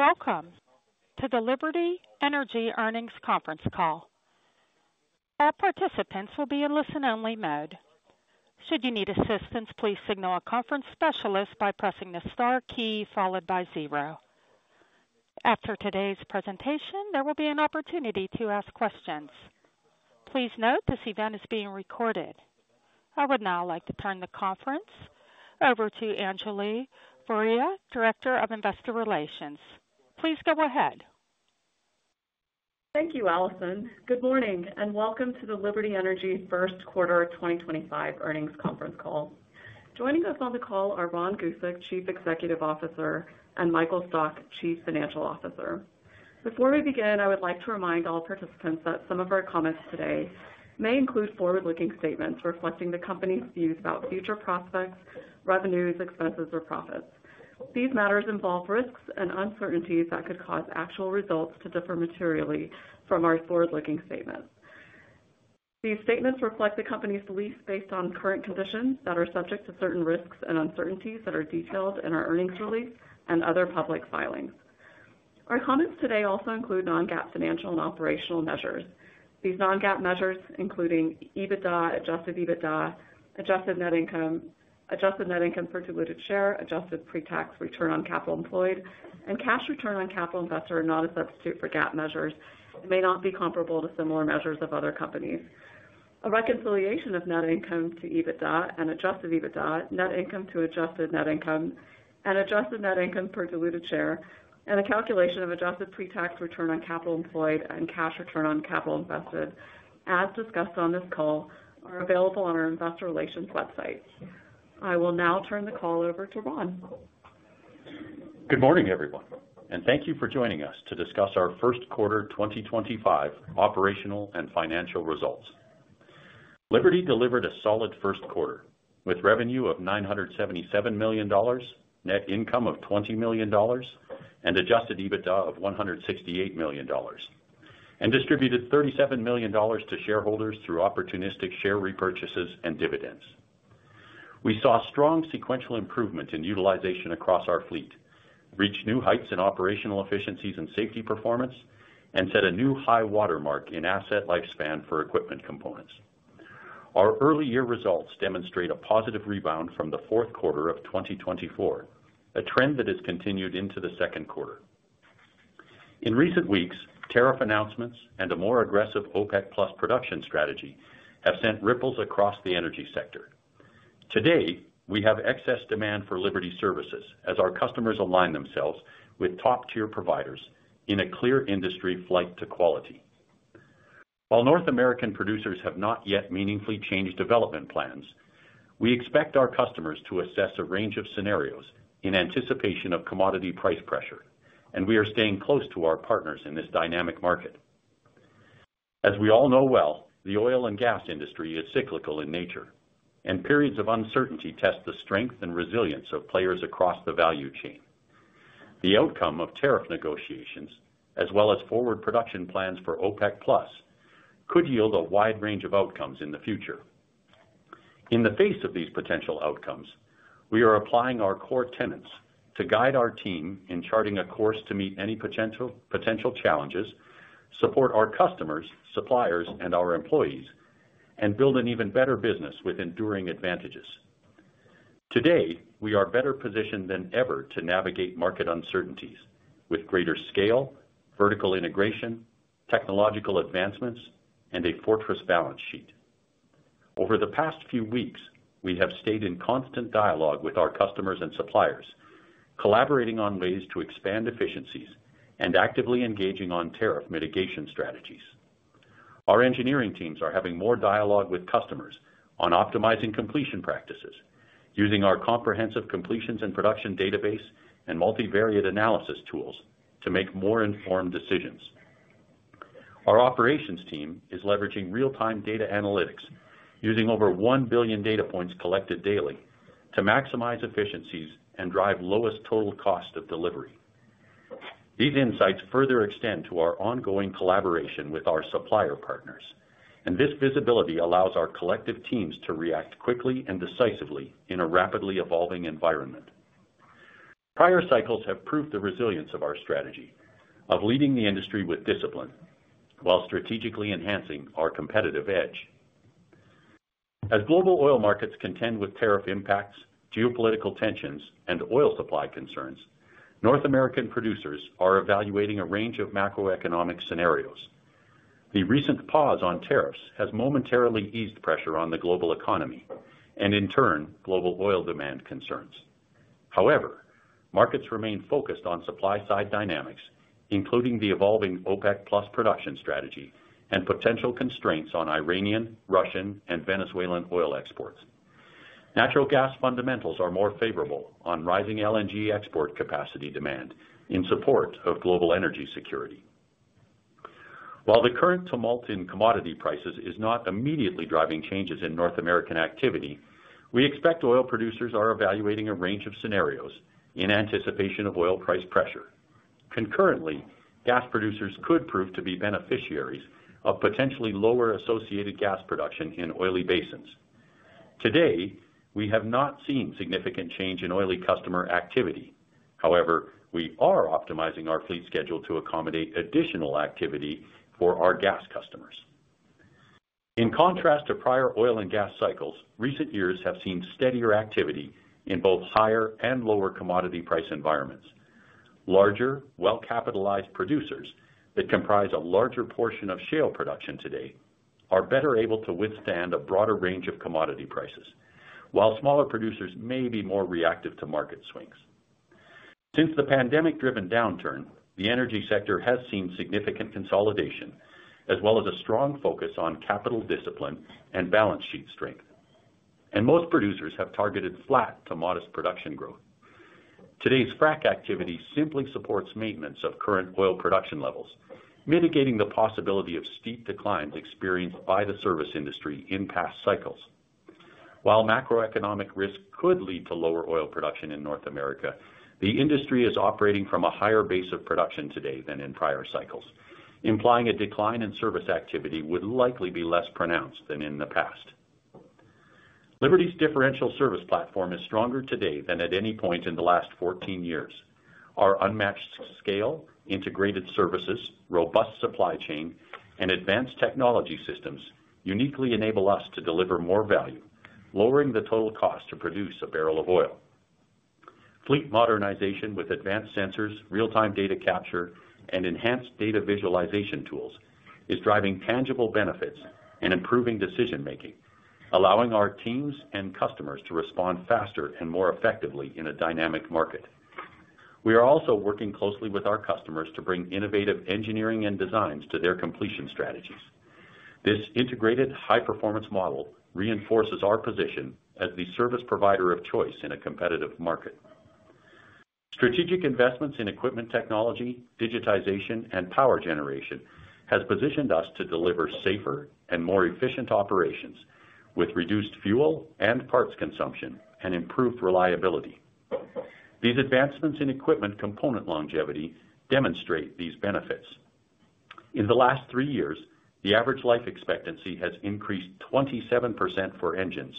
Welcome to the Liberty Energy Earnings Conference Call. All participants will be in listen-only mode. Should you need assistance, please signal a conference specialist by pressing the star key followed by zero. After today's presentation, there will be an opportunity to ask questions. Please note this event is being recorded. I would now like to turn the conference over to Anjali Voria, Director of Investor Relations. Please go ahead. Thank you, Alison. Good morning and welcome to the Liberty Energy First Quarter 2025 Earnings Conference Call. Joining us on the call are Ron Gusek, Chief Executive Officer, and Michael Stock, Chief Financial Officer. Before we begin, I would like to remind all participants that some of our comments today may include forward-looking statements reflecting the company's views about future prospects, revenues, expenses, or profits. These matters involve risks and uncertainties that could cause actual results to differ materially from our forward-looking statements. These statements reflect the company's beliefs based on current conditions that are subject to certain risks and uncertainties that are detailed in our earnings release and other public filings. Our comments today also include non-GAAP financial and operational measures. These non-GAAP measures, including EBITDA, adjusted EBITDA, adjusted net income, adjusted net income per diluted share, adjusted pre-tax return on capital employed, and cash return on capital invested are not a substitute for GAAP measures and may not be comparable to similar measures of other companies. A reconciliation of net income to EBITDA and adjusted EBITDA, net income to adjusted net income, and adjusted net income per diluted share, and a calculation of adjusted pre-tax return on capital employed and cash return on capital invested, as discussed on this call, are available on our Investor Relations website. I will now turn the call over to Ron. Good morning, everyone, and thank you for joining us to discuss our First Quarter 2025 operational and financial results. Liberty delivered a solid first quarter with revenue of $977 million, net income of $20 million, and adjusted EBITDA of $168 million, and distributed $37 million to shareholders through opportunistic share repurchases and dividends. We saw strong sequential improvement in utilization across our fleet, reached new heights in operational efficiencies and safety performance, and set a new high watermark in asset lifespan for equipment components. Our early year results demonstrate a positive rebound from the fourth quarter of 2024, a trend that has continued into the second quarter. In recent weeks, tariff announcements and a more aggressive OPEC+ production strategy have sent ripples across the energy sector. Today, we have excess demand for Liberty services as our customers align themselves with top-tier providers in a clear industry flight to quality. While North American producers have not yet meaningfully changed development plans, we expect our customers to assess a range of scenarios in anticipation of commodity price pressure, and we are staying close to our partners in this dynamic market. As we all know well, the oil and gas industry is cyclical in nature, and periods of uncertainty test the strength and resilience of players across the value chain. The outcome of tariff negotiations, as well as forward production plans for OPEC Plus, could yield a wide range of outcomes in the future. In the face of these potential outcomes, we are applying our core tenets to guide our team in charting a course to meet any potential challenges, support our customers, suppliers, and our employees, and build an even better business with enduring advantages. Today, we are better positioned than ever to navigate market uncertainties with greater scale, vertical integration, technological advancements, and a fortress balance sheet. Over the past few weeks, we have stayed in constant dialogue with our customers and suppliers, collaborating on ways to expand efficiencies and actively engaging on tariff mitigation strategies. Our engineering teams are having more dialogue with customers on optimizing completion practices, using our comprehensive completions and production database and multivariate analysis tools to make more informed decisions. Our operations team is leveraging real-time data analytics, using over 1 billion data points collected daily to maximize efficiencies and drive lowest total cost of delivery. These insights further extend to our ongoing collaboration with our supplier partners, and this visibility allows our collective teams to react quickly and decisively in a rapidly evolving environment. Prior cycles have proved the resilience of our strategy of leading the industry with discipline while strategically enhancing our competitive edge. As global oil markets contend with tariff impacts, geopolitical tensions, and oil supply concerns, North American producers are evaluating a range of macroeconomic scenarios. The recent pause on tariffs has momentarily eased pressure on the global economy and, in turn, global oil demand concerns. However, markets remain focused on supply-side dynamics, including the evolving OPEC Plus production strategy and potential constraints on Iranian, Russian, and Venezuelan oil exports. Natural gas fundamentals are more favorable on rising LNG export capacity demand in support of global energy security. While the current tumult in commodity prices is not immediately driving changes in North American activity, we expect oil producers are evaluating a range of scenarios in anticipation of oil price pressure. Concurrently, gas producers could prove to be beneficiaries of potentially lower associated gas production in oily basins. Today, we have not seen significant change in oily customer activity; however, we are optimizing our fleet schedule to accommodate additional activity for our gas customers. In contrast to prior oil and gas cycles, recent years have seen steadier activity in both higher and lower commodity price environments. Larger, well-capitalized producers that comprise a larger portion of shale production today are better able to withstand a broader range of commodity prices, while smaller producers may be more reactive to market swings. Since the pandemic-driven downturn, the energy sector has seen significant consolidation as well as a strong focus on capital discipline and balance sheet strength, and most producers have targeted flat to modest production growth. Today's frac activity simply supports maintenance of current oil production levels, mitigating the possibility of steep declines experienced by the service industry in past cycles. While macroeconomic risk could lead to lower oil production in North America, the industry is operating from a higher base of production today than in prior cycles, implying a decline in service activity would likely be less pronounced than in the past. Liberty's differential service platform is stronger today than at any point in the last 14 years. Our unmatched scale, integrated services, robust supply chain, and advanced technology systems uniquely enable us to deliver more value, lowering the total cost to produce a barrel of oil. Fleet modernization with advanced sensors, real-time data capture, and enhanced data visualization tools is driving tangible benefits and improving decision-making, allowing our teams and customers to respond faster and more effectively in a dynamic market. We are also working closely with our customers to bring innovative engineering and designs to their completion strategies. This integrated high-performance model reinforces our position as the service provider of choice in a competitive market. Strategic investments in equipment technology, digitization, and power generation have positioned us to deliver safer and more efficient operations with reduced fuel and parts consumption and improved reliability. These advancements in equipment component longevity demonstrate these benefits. In the last three years, the average life expectancy has increased 27% for engines,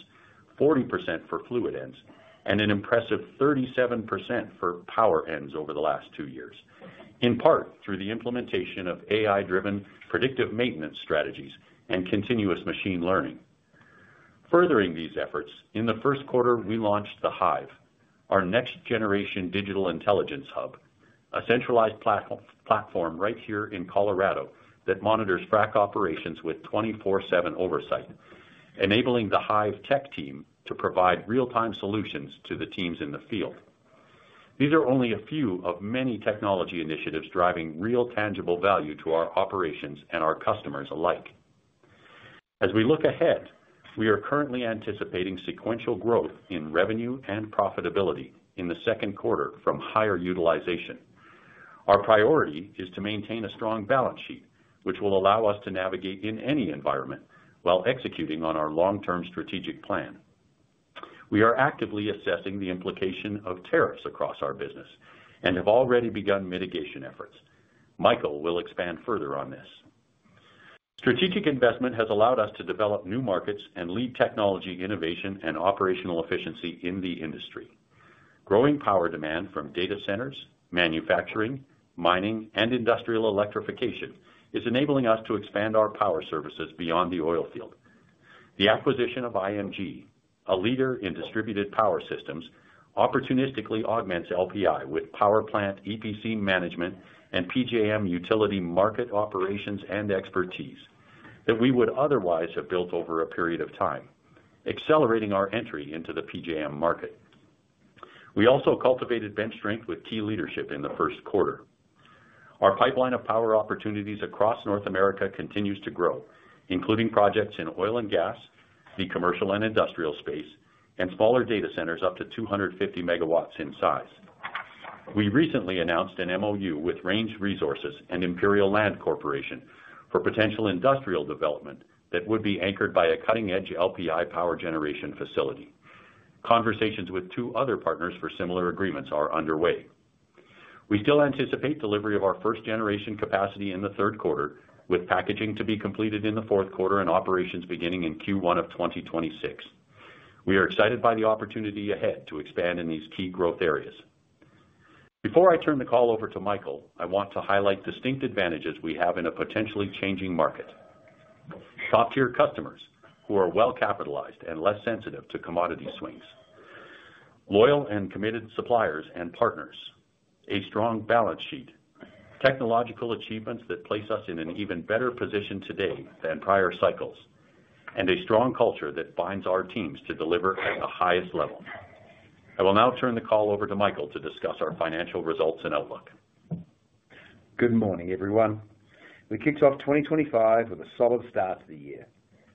40% for fluid ends, and an impressive 37% for power ends over the last two years, in part through the implementation of AI-driven predictive maintenance strategies and continuous machine learning. Furthering these efforts, in the first quarter, we launched the Hive, our next-generation digital intelligence hub, a centralized platform right here in Colorado that monitors frac operations with 24/7 oversight, enabling the Hive tech team to provide real-time solutions to the teams in the field. These are only a few of many technology initiatives driving real tangible value to our operations and our customers alike. As we look ahead, we are currently anticipating sequential growth in revenue and profitability in the second quarter from higher utilization. Our priority is to maintain a strong balance sheet, which will allow us to navigate in any environment while executing on our long-term strategic plan. We are actively assessing the implication of tariffs across our business and have already begun mitigation efforts. Michael will expand further on this. Strategic investment has allowed us to develop new markets and lead technology innovation and operational efficiency in the industry. Growing power demand from data centers, manufacturing, mining, and industrial electrification is enabling us to expand our power services beyond the oil field. The acquisition of IMG, a leader in distributed power systems, opportunistically augments LPI with power plant EPC management and PJM utility market operations and expertise that we would otherwise have built over a period of time, accelerating our entry into the PJM market. We also cultivated bench strength with key leadership in the first quarter. Our pipeline of power opportunities across North America continues to grow, including projects in oil and gas, the commercial and industrial space, and smaller data centers up to 250 MW in size. We recently announced an MOU with Range Resources and Imperial Land Corporation for potential industrial development that would be anchored by a cutting-edge LPI power generation facility. Conversations with two other partners for similar agreements are underway. We still anticipate delivery of our first-generation capacity in the third quarter, with packaging to be completed in the fourth quarter and operations beginning in Q1 of 2026. We are excited by the opportunity ahead to expand in these key growth areas. Before I turn the call over to Michael, I want to highlight distinct advantages we have in a potentially changing market: top-tier customers who are well-capitalized and less sensitive to commodity swings, loyal and committed suppliers and partners, a strong balance sheet, technological achievements that place us in an even better position today than prior cycles, and a strong culture that binds our teams to deliver at the highest level. I will now turn the call over to Michael to discuss our financial results and outlook. Good morning, everyone. We kicked off 2025 with a solid start to the year.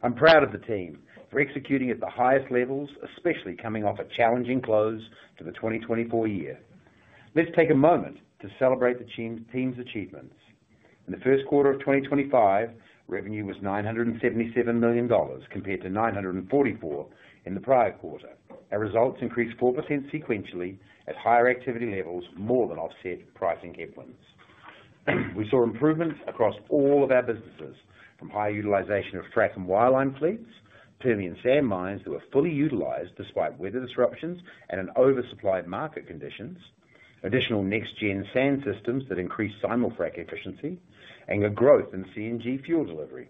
I'm proud of the team for executing at the highest levels, especially coming off a challenging close to the 2024 year. Let's take a moment to celebrate the team's achievements. In the first quarter of 2025, revenue was $977 million compared to $944 million in the prior quarter. Our results increased 4% sequentially as higher activity levels more than offset pricing headwinds. We saw improvements across all of our businesses from high utilization of frac and wildland fleets, Permian sand mines that were fully utilized despite weather disruptions and oversupplied market conditions, additional next-gen sand systems that increased Simul-Frac efficiency, and growth in CNG fuel delivery.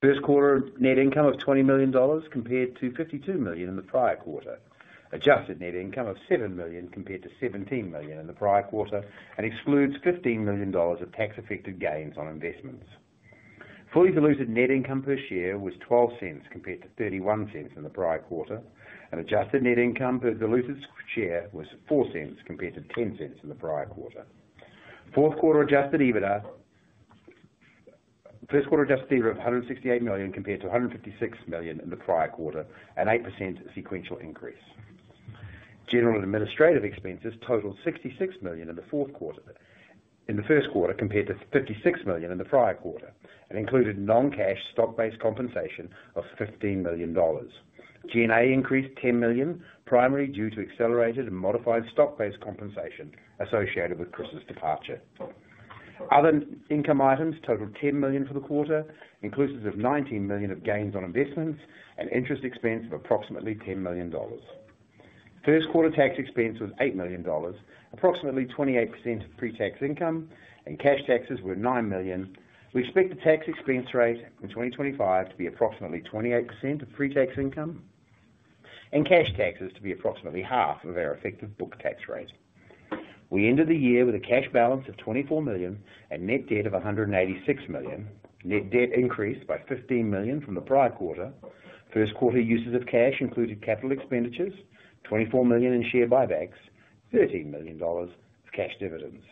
First quarter net income of $20 million compared to $52 million in the prior quarter, adjusted net income of $7 million compared to $17 million in the prior quarter, and excludes $15 million of tax-affected gains on investments. Fully diluted net income per share was $0.12 compared to $0.31 in the prior quarter, and adjusted net income per diluted share was $0.04 compared to $0.10 in the prior quarter. First quarter adjusted EBITDA of $168 million compared to $156 million in the prior quarter, an 8% sequential increase. General administrative expenses totaled $66 million in the first quarter compared to $56 million in the prior quarter and included non-cash stock-based compensation of $15 million. G&A increased $10 million, primarily due to accelerated and modified stock-based compensation associated with Chris Wright's departure. Other income items totaled $10 million for the quarter, inclusive of $19 million of gains on investments and interest expense of approximately $10 million. First quarter tax expense was $8 million, approximately 28% of pre-tax income, and cash taxes were $9 million. We expect the tax expense rate in 2025 to be approximately 28% of pre-tax income and cash taxes to be approximately half of our effective book tax rate. We ended the year with a cash balance of $24 million and net debt of $186 million. Net debt increased by $15 million from the prior quarter. First quarter uses of cash included capital expenditures, $24 million in share buybacks, $13 million of cash dividends.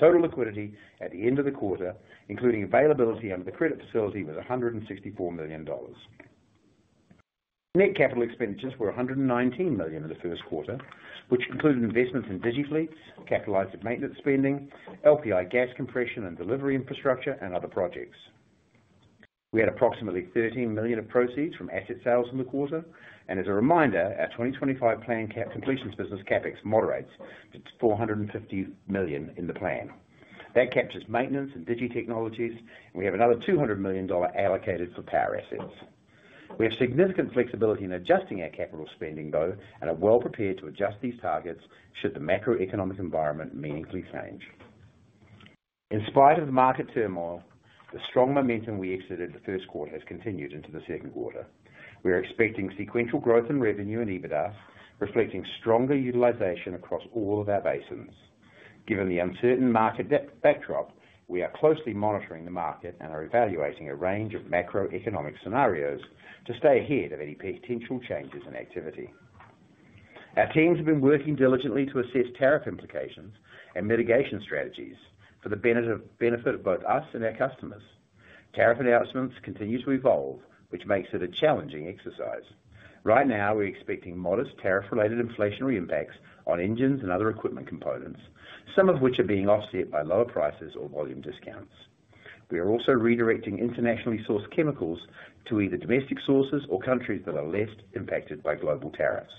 Total liquidity at the end of the quarter, including availability under the credit facility, was $164 million. Net capital expenditures were $119 million in the first quarter, which included investments in digiFleets, capitalized maintenance spending, LPI gas compression and delivery infrastructure, and other projects. We had approximately $13 million of proceeds from asset sales in the quarter, and as a reminder, our 2025 plan completions business CapEx moderates to $450 million in the plan. That captures maintenance and digiTechnologies, and we have another $200 million allocated for power assets. We have significant flexibility in adjusting our capital spending, though, and are well prepared to adjust these targets should the macroeconomic environment meaningfully change. In spite of the market turmoil, the strong momentum we exited the first quarter has continued into the second quarter. We are expecting sequential growth in revenue and EBITDA, reflecting stronger utilization across all of our basins. Given the uncertain market backdrop, we are closely monitoring the market and are evaluating a range of macroeconomic scenarios to stay ahead of any potential changes in activity. Our teams have been working diligently to assess tariff implications and mitigation strategies for the benefit of both us and our customers. Tariff announcements continue to evolve, which makes it a challenging exercise. Right now, we're expecting modest tariff-related inflationary impacts on engines and other equipment components, some of which are being offset by lower prices or volume discounts. We are also redirecting internationally sourced chemicals to either domestic sources or countries that are less impacted by global tariffs.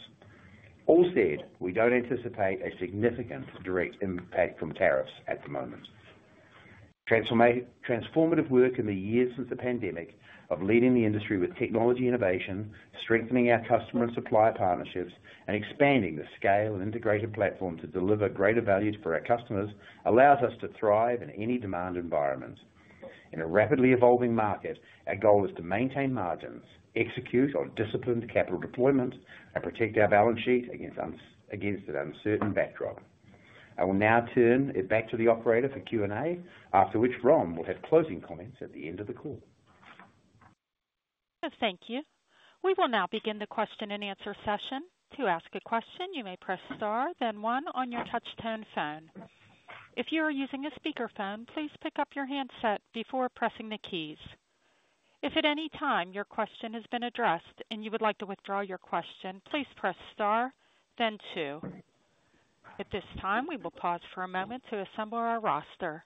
All said, we do not anticipate a significant direct impact from tariffs at the moment. Transformative work in the years since the pandemic of leading the industry with technology innovation, strengthening our customer and supplier partnerships, and expanding the scale and integrated platform to deliver greater value for our customers allows us to thrive in any demand environment. In a rapidly evolving market, our goal is to maintain margins, execute on disciplined capital deployment, and protect our balance sheet against an uncertain backdrop. I will now turn it back to the operator for Q&A, after which Ron will have closing comments at the end of the call. Thank you. We will now begin the question and answer session. To ask a question, you may press star, then one on your touch-tone phone. If you are using a speakerphone, please pick up your handset before pressing the keys. If at any time your question has been addressed and you would like to withdraw your question, please press star, then two. At this time, we will pause for a moment to assemble our roster.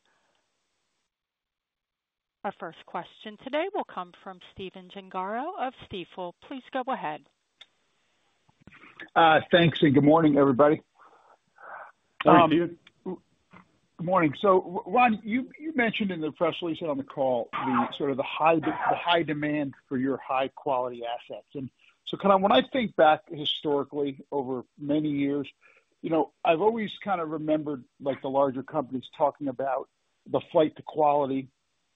Our first question today will come from Stephen Gengaro of Stifel. Please go ahead. Thanks and good morning, everybody. Hi. Good morning. Ron, you mentioned in the press release and on the call the sort of the high demand for your high-quality assets. When I think back historically over many years, I've always kind of remembered the larger companies talking about the fight to quality,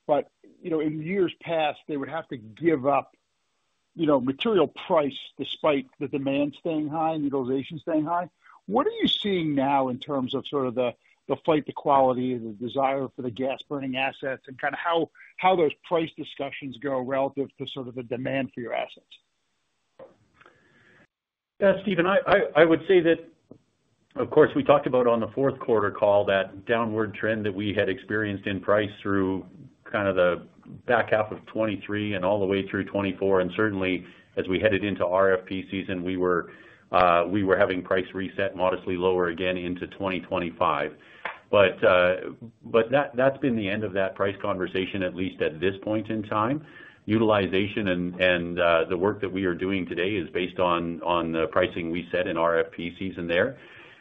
but in years past, they would have to give up material price despite the demand staying high and utilization staying high. What are you seeing now in terms of sort of the fight to quality, the desire for the gas-burning assets, and kind of how those price discussions go relative to the demand for your assets? Stephen, I would say that, of course, we talked about on the fourth quarter call that downward trend that we had experienced in price through kind of the back half of 2023 and all the way through 2024. Certainly, as we headed into RFP season, we were having price reset modestly lower again into 2025. That has been the end of that price conversation, at least at this point in time. Utilization and the work that we are doing today is based on the pricing we set in RFP season there.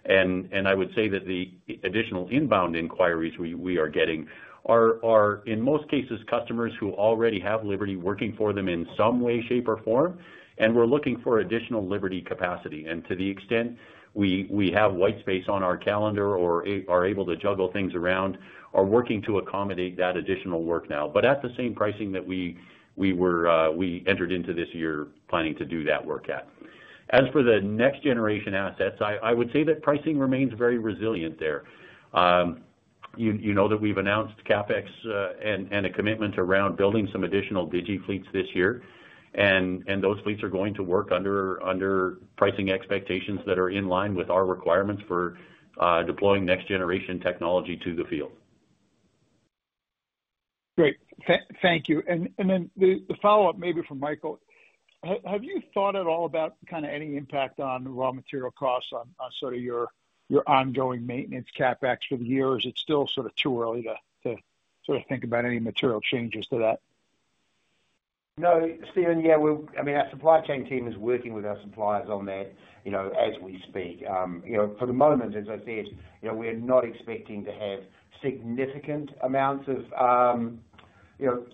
I would say that the additional inbound inquiries we are getting are, in most cases, customers who already have Liberty working for them in some way, shape, or form, and we are looking for additional Liberty capacity. To the extent we have white space on our calendar or are able to juggle things around, are working to accommodate that additional work now, but at the same pricing that we entered into this year planning to do that work at. As for the next-generation assets, I would say that pricing remains very resilient there. You know that we've announced CapEx and a commitment around building some additional digiFleets this year, and those fleets are going to work under pricing expectations that are in line with our requirements for deploying next-generation technology to the field. Great. Thank you. The follow-up maybe from Michael, have you thought at all about kind of any impact on raw material costs on sort of your ongoing maintenance CapEx for the year? Is it still sort of too early to sort of think about any material changes to that? No, Stephen, yeah, I mean, our supply chain team is working with our suppliers on that as we speak. For the moment, as I said, we are not expecting to have significant amounts of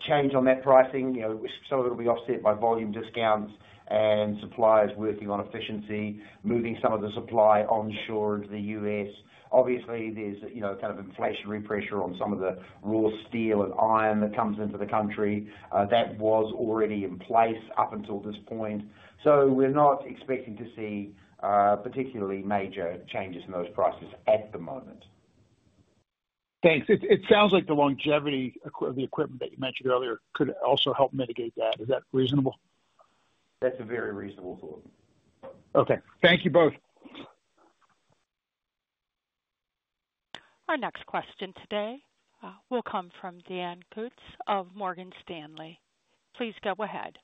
change on that pricing. Some of it will be offset by volume discounts and suppliers working on efficiency, moving some of the supply onshore into the U.S. Obviously, there is kind of inflationary pressure on some of the raw steel and iron that comes into the country that was already in place up until this point. We are not expecting to see particularly major changes in those prices at the moment. Thanks. It sounds like the longevity of the equipment that you mentioned earlier could also help mitigate that. Is that reasonable? That's a very reasonable thought. Okay. Thank you both. Our next question today will come from Dan Kutz of Morgan Stanley. Please go ahead.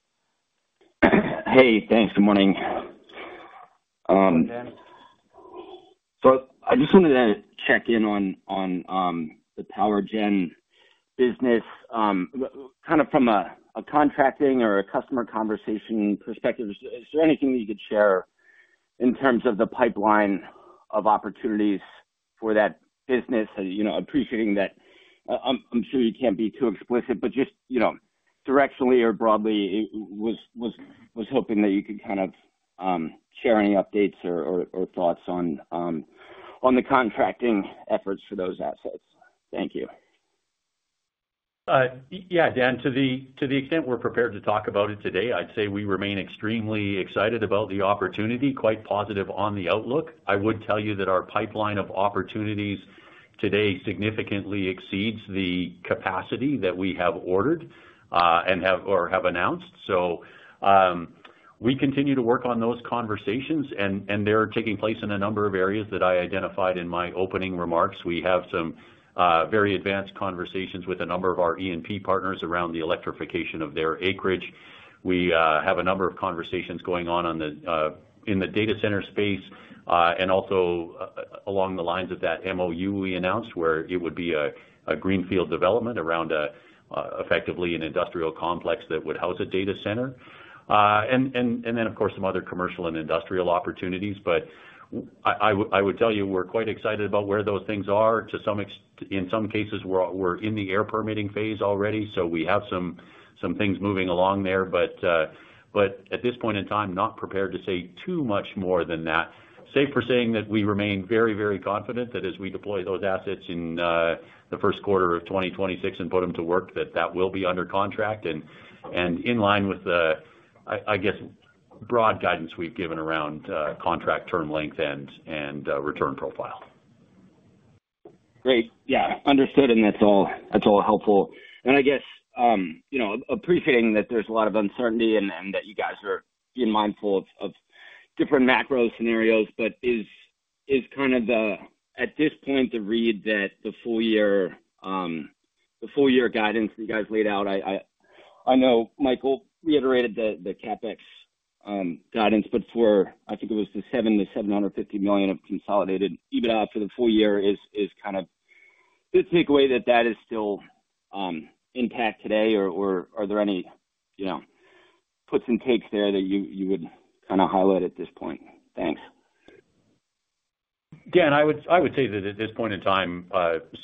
Hey, thanks. Good morning. I just wanted to check in on the power gen business kind of from a contracting or a customer conversation perspective. Is there anything that you could share in terms of the pipeline of opportunities for that business? Appreciating that I'm sure you can't be too explicit, but just directionally or broadly, was hoping that you could kind of share any updates or thoughts on the contracting efforts for those assets. Thank you. Yeah, Dan, to the extent we're prepared to talk about it today, I'd say we remain extremely excited about the opportunity, quite positive on the outlook. I would tell you that our pipeline of opportunities today significantly exceeds the capacity that we have ordered or have announced. We continue to work on those conversations, and they're taking place in a number of areas that I identified in my opening remarks. We have some very advanced conversations with a number of our E&P partners around the electrification of their acreage. We have a number of conversations going on in the data center space and also along the lines of that MOU we announced where it would be a greenfield development around effectively an industrial complex that would house a data center. Of course, some other commercial and industrial opportunities. I would tell you we're quite excited about where those things are. In some cases, we're in the air permitting phase already, so we have some things moving along there, but at this point in time, not prepared to say too much more than that. Safe for saying that we remain very, very confident that as we deploy those assets in the first quarter of 2026 and put them to work, that that will be under contract and in line with the, I guess, broad guidance we've given around contract term length and return profile. Great. Yeah, understood, and that's all helpful. I guess appreciating that there's a lot of uncertainty and that you guys are being mindful of different macro scenarios, but is kind of at this point the read that the full-year guidance that you guys laid out? I know Michael reiterated the CapEx guidance, but for, I think it was the $700 million-$750 million of consolidated EBITDA for the full year, is kind of the takeaway that that is still intact today, or are there any puts and takes there that you would kind of highlight at this point? Thanks. Dan, I would say that at this point in time,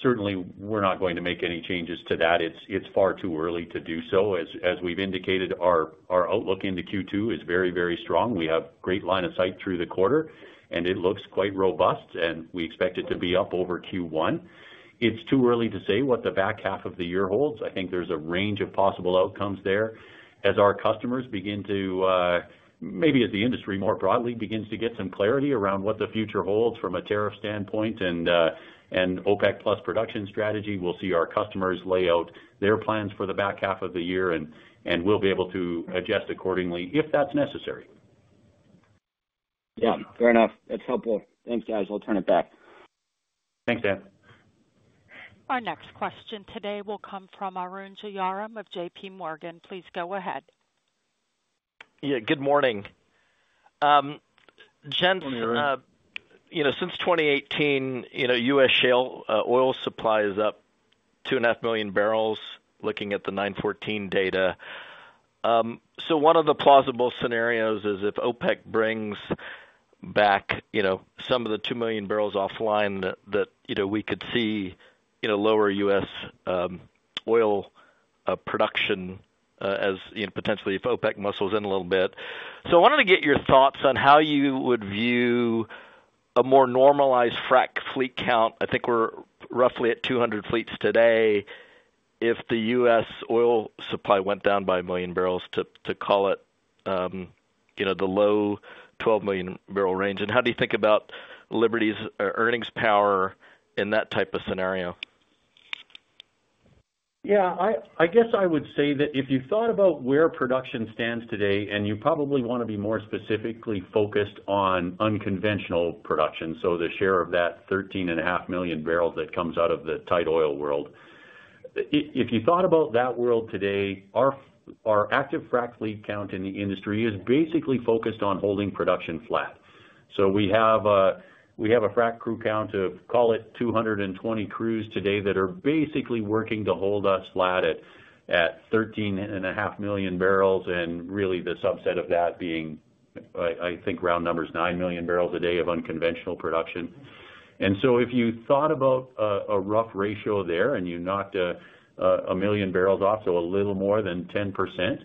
certainly, we're not going to make any changes to that. It's far too early to do so. As we've indicated, our outlook into Q2 is very, very strong. We have a great line of sight through the quarter, and it looks quite robust, and we expect it to be up over Q1. It's too early to say what the back half of the year holds. I think there's a range of possible outcomes there. As our customers begin to, maybe as the industry more broadly begins to get some clarity around what the future holds from a tariff standpoint and OPEC Plus production strategy, we'll see our customers lay out their plans for the back half of the year, and we'll be able to adjust accordingly if that's necessary. Yeah, fair enough. That's helpful. Thanks, guys. I'll turn it back. Thanks, Dan. Our next question today will come from Arun Jayaram of JPMorgan. Please go ahead. Yeah, good morning. Since 2018, U.S. shale oil supply is up two and a half million barrels, looking at the 914 data. One of the plausible scenarios is if OPEC brings back some of the two million barrels offline that we could see lower U.S. oil production as potentially if OPEC muscles in a little bit. I wanted to get your thoughts on how you would view a more normalized frac fleet count. I think we're roughly at 200 fleets today. If the U.S. oil supply went down by a million barrels, to call it the low 12 million barrel range, how do you think about Liberty's earnings power in that type of scenario? Yeah, I guess I would say that if you thought about where production stands today, and you probably want to be more specifically focused on unconventional production, so the share of that 13.5 million barrels that comes out of the tight oil world, if you thought about that world today, our active frac fleet count in the industry is basically focused on holding production flat. We have a frac crew count of, call it 220 crews today that are basically working to hold us flat at 13.5 million barrels, and really the subset of that being, I think, round numbers, 9 million barrels a day of unconventional production. If you thought about a rough ratio there and you knocked a million barrels off, so a little more than 10%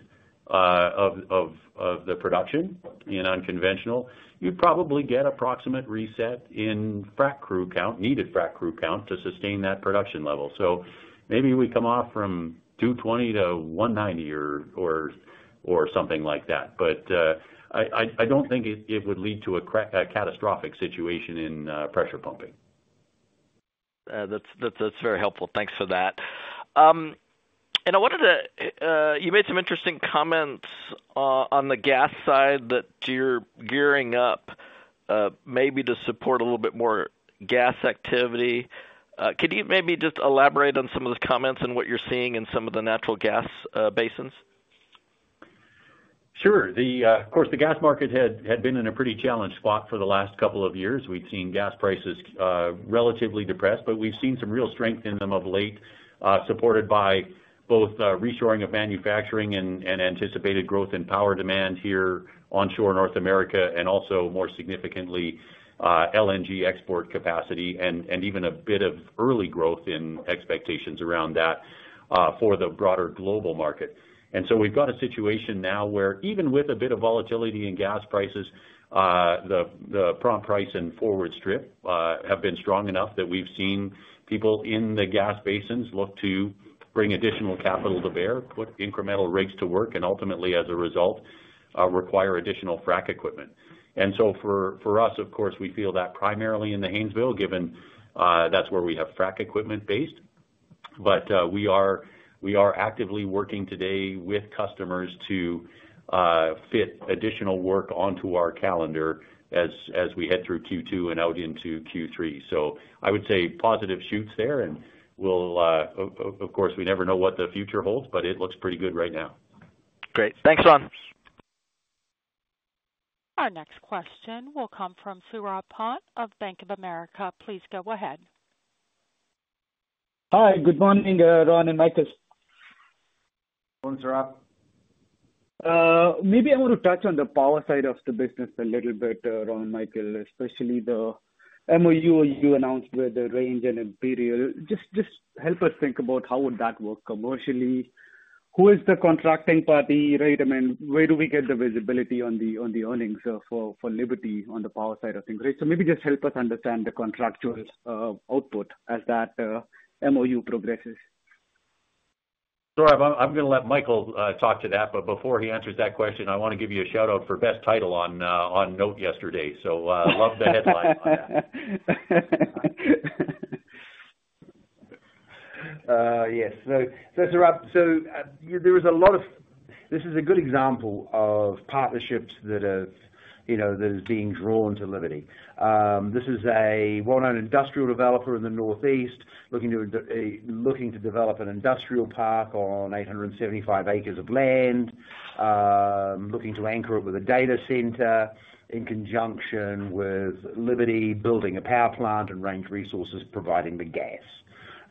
of the production in unconventional, you'd probably get approximate reset in frac crew count, needed frac crew count to sustain that production level. Maybe we come off from 220-190 or something like that, but I do not think it would lead to a catastrophic situation in pressure pumping. That's very helpful. Thanks for that. I wanted to—you made some interesting comments on the gas side that you're gearing up maybe to support a little bit more gas activity. Could you maybe just elaborate on some of the comments and what you're seeing in some of the natural gas basins? Sure. Of course, the gas market had been in a pretty challenged spot for the last couple of years. We'd seen gas prices relatively depressed, but we've seen some real strength in them of late, supported by both reshoring of manufacturing and anticipated growth in power demand here onshore North America, and also, more significantly, LNG export capacity and even a bit of early growth in expectations around that for the broader global market. We have a situation now where even with a bit of volatility in gas prices, the prompt price and forward strip have been strong enough that we've seen people in the gas basins look to bring additional capital to bear, put incremental rigs to work, and ultimately, as a result, require additional frac equipment. For us, of course, we feel that primarily in the Haynesville, given that's where we have frac equipment based. We are actively working today with customers to fit additional work onto our calendar as we head through Q2 and out into Q3. I would say positive shoots there, and of course, we never know what the future holds, but it looks pretty good right now. Great. Thanks, Ron. Our next question will come from Saurabh Pant of Bank of America. Please go ahead. Hi, good morning, Ron and Michael. Morning, Saurabh. Maybe I want to touch on the power side of the business a little bit, Ron and Michael, especially the MOU you announced with Range and Imperial. Just help us think about how would that work commercially. Who is the contracting party, right? I mean, where do we get the visibility on the earnings for Liberty on the power side of things, right? Maybe just help us understand the contractual output as that MOU progresses. Surabh, I'm going to let Michael talk to that, but before he answers that question, I want to give you a shout-out for Best Title on Note yesterday. I love the headline on that. Yes. Surabh, there was a lot of—this is a good example of partnerships that are being drawn to Liberty. This is a well-known industrial developer in the Northeast looking to develop an industrial park on 875 acres of land, looking to anchor it with a data center in conjunction with Liberty building a power plant and Range Resources providing the gas,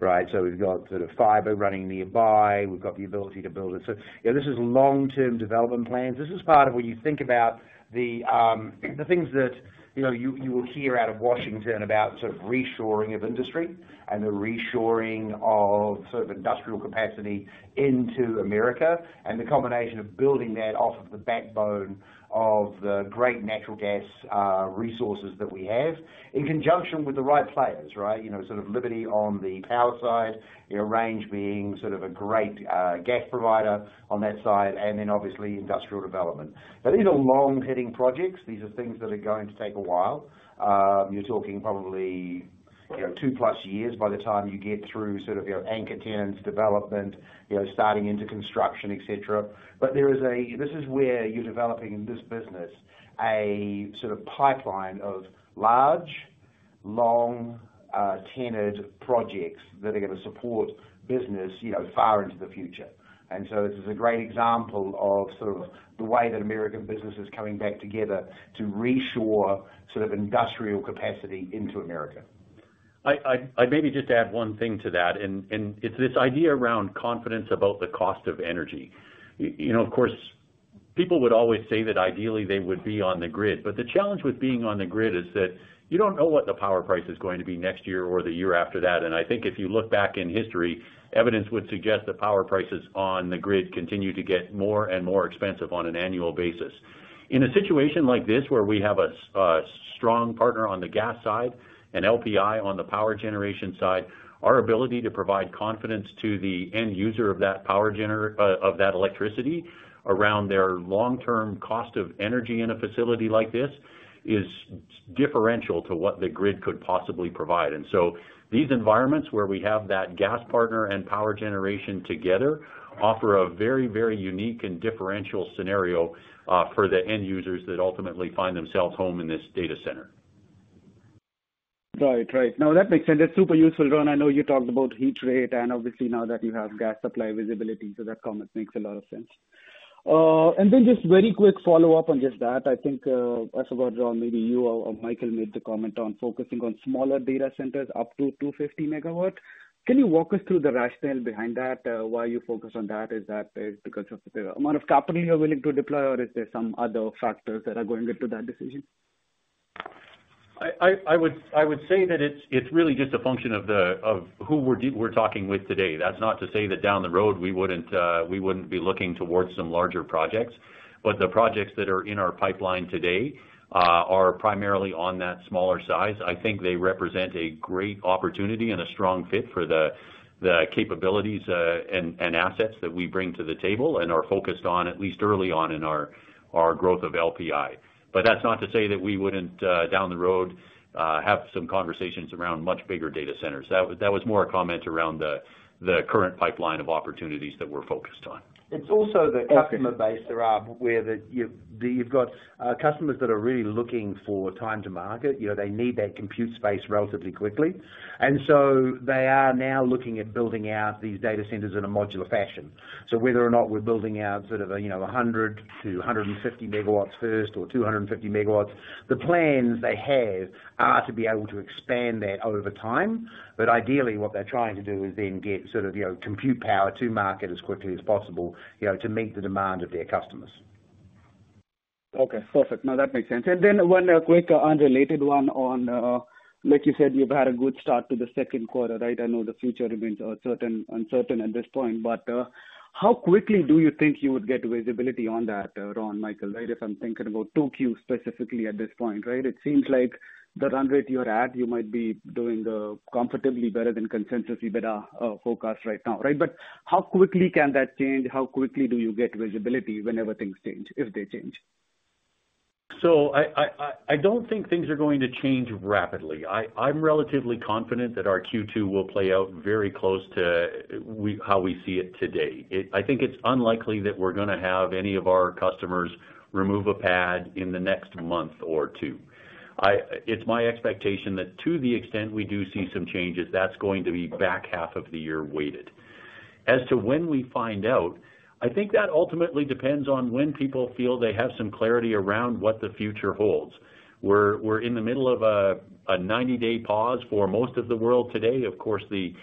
right? We have sort of fiber running nearby. We have the ability to build it. This is long-term development plans. This is part of when you think about the things that you will hear out of Washington about sort of reshoring of industry and the reshoring of sort of industrial capacity into America and the combination of building that off of the backbone of the great natural gas resources that we have in conjunction with the right players, right? Sort of Liberty on the power side, Range being sort of a great gas provider on that side, and then obviously industrial development. Now, these are long-hitting projects. These are things that are going to take a while. You're talking probably two-plus years by the time you get through sort of your anchor tenants development, starting into construction, etc. This is where you're developing in this business a sort of pipeline of large, long-tenured projects that are going to support business far into the future. This is a great example of sort of the way that American business is coming back together to reshore sort of industrial capacity into America. I'd maybe just add one thing to that, and it's this idea around confidence about the cost of energy. Of course, people would always say that ideally they would be on the grid, but the challenge with being on the grid is that you don't know what the power price is going to be next year or the year after that. I think if you look back in history, evidence would suggest that power prices on the grid continue to get more and more expensive on an annual basis. In a situation like this where we have a strong partner on the gas side and LPI on the power generation side, our ability to provide confidence to the end user of that electricity around their long-term cost of energy in a facility like this is differential to what the grid could possibly provide. These environments where we have that gas partner and power generation together offer a very, very unique and differential scenario for the end users that ultimately find themselves home in this data center. Right, right. No, that makes sense. That's super useful, Ron. I know you talked about heat rate and obviously now that you have gas supply visibility, so that comment makes a lot of sense. Just very quick follow-up on just that. I think I forgot, Ron, maybe you or Michael made the comment on focusing on smaller data centers up to 250 MW. Can you walk us through the rationale behind that? Why you focus on that? Is that because of the amount of capital you're willing to deploy, or is there some other factors that are going into that decision? I would say that it's really just a function of who we're talking with today. That's not to say that down the road we wouldn't be looking towards some larger projects, but the projects that are in our pipeline today are primarily on that smaller size. I think they represent a great opportunity and a strong fit for the capabilities and assets that we bring to the table and are focused on, at least early on in our growth of LPI. That's not to say that we wouldn't down the road have some conversations around much bigger data centers. That was more a comment around the current pipeline of opportunities that we're focused on. It's also the customer base, Surabh, where you've got customers that are really looking for time to market. They need that compute space relatively quickly. They are now looking at building out these data centers in a modular fashion. Whether or not we're building out sort of 100-150 MW first or 250 MW, the plans they have are to be able to expand that over time. Ideally, what they're trying to do is then get sort of compute power to market as quickly as possible to meet the demand of their customers. Okay, perfect. No, that makes sense. One quick unrelated one on, like you said, you've had a good start to the second quarter, right? I know the future remains uncertain at this point, but how quickly do you think you would get visibility on that, Ron, Michael, right? If I'm thinking about two Qs specifically at this point, right? It seems like the run rate you're at, you might be doing comfortably better than consensus EBITDA forecast right now, right? How quickly can that change? How quickly do you get visibility whenever things change, if they change? I don't think things are going to change rapidly. I'm relatively confident that our Q2 will play out very close to how we see it today. I think it's unlikely that we're going to have any of our customers remove a pad in the next month or two. It's my expectation that to the extent we do see some changes, that's going to be back half of the year weighted. As to when we find out, I think that ultimately depends on when people feel they have some clarity around what the future holds. We're in the middle of a 90-day pause for most of the world today. Of course, the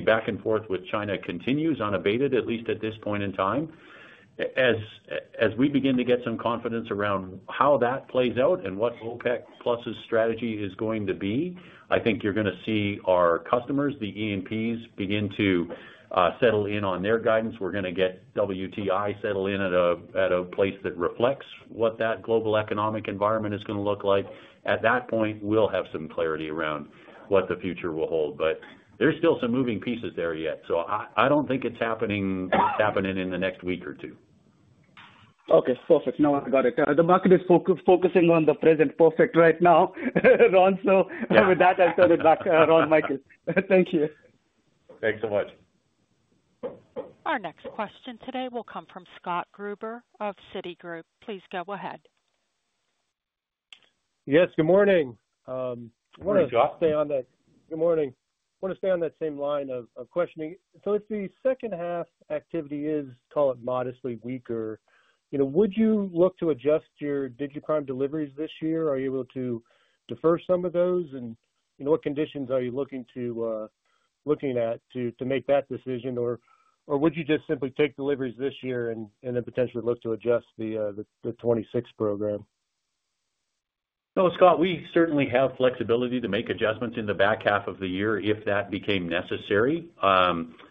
back and forth with China continues unabated, at least at this point in time. As we begin to get some confidence around how that plays out and what OPEC Plus's strategy is going to be, I think you're going to see our customers, the E&Ps, begin to settle in on their guidance. We're going to get WTI settle in at a place that reflects what that global economic environment is going to look like. At that point, we'll have some clarity around what the future will hold, but there's still some moving pieces there yet. I don't think it's happening in the next week or two. Okay, perfect. No, I got it. The market is focusing on the present perfect right now, Ron. With that, I'll turn it back, Ron, Michael. Thank you. Thanks so much. Our next question today will come from Scott Gruber of Citigroup. Please go ahead. Yes, good morning. Morning, Scott. Good morning. Want to stay on that same line of questioning. If the second half activity is, call it modestly weaker, would you look to adjust your digiPrime deliveries this year? Are you able to defer some of those? What conditions are you looking at to make that decision? Would you just simply take deliveries this year and then potentially look to adjust the 2026 program? No, Scott, we certainly have flexibility to make adjustments in the back half of the year if that became necessary.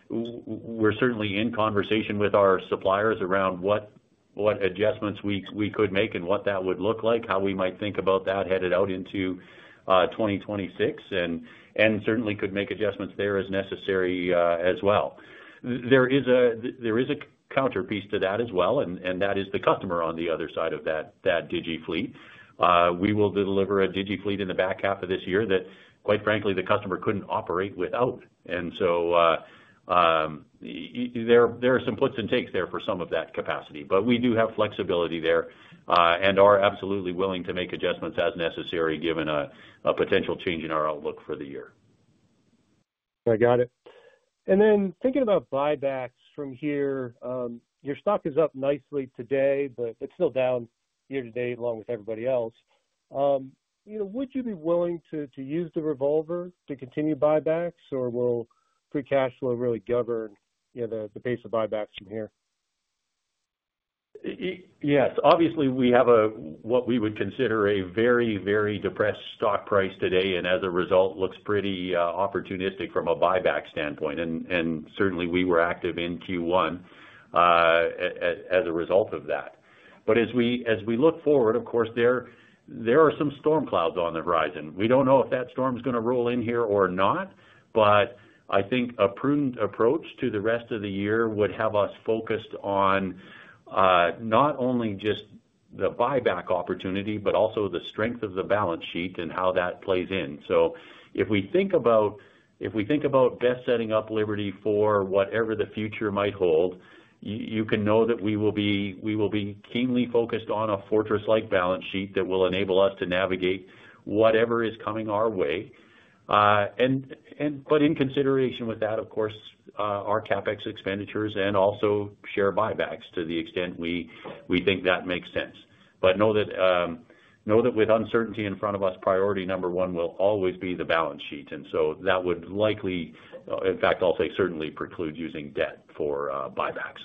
We're certainly in conversation with our suppliers around what adjustments we could make and what that would look like, how we might think about that headed out into 2026, and certainly could make adjustments there as necessary as well. There is a counterpiece to that as well, and that is the customer on the other side of that digiFleet. We will deliver a digiFleet in the back half of this year that, quite frankly, the customer couldn't operate without. There are some puts and takes there for some of that capacity, but we do have flexibility there and are absolutely willing to make adjustments as necessary given a potential change in our outlook for the year. I got it. Then thinking about buybacks from here, your stock is up nicely today, but it's still down year to date along with everybody else. Would you be willing to use the revolver to continue buybacks, or will free cash flow really govern the pace of buybacks from here? Yes. Obviously, we have what we would consider a very, very depressed stock price today, and as a result, looks pretty opportunistic from a buyback standpoint. Certainly, we were active in Q1 as a result of that. As we look forward, of course, there are some storm clouds on the horizon. We do not know if that storm is going to roll in here or not, but I think a prudent approach to the rest of the year would have us focused on not only just the buyback opportunity, but also the strength of the balance sheet and how that plays in. If we think about best setting up Liberty for whatever the future might hold, you can know that we will be keenly focused on a fortress-like balance sheet that will enable us to navigate whatever is coming our way. In consideration with that, of course, our CapEx expenditures and also share buybacks to the extent we think that makes sense. Know that with uncertainty in front of us, priority number one will always be the balance sheet. That would likely, in fact, I'll say certainly preclude using debt for buybacks.